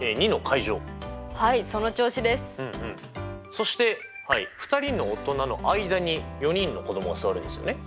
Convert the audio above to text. そして２人の大人の間に４人の子どもは座るんですよね。